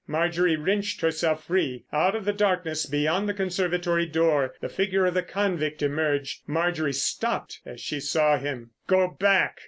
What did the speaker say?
Marjorie wrenched herself free. Out of the darkness beyond the conservatory door the figure of the convict emerged. Marjorie stopped as she saw him. "Go back!"